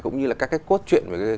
cũng như là các cái cốt truyện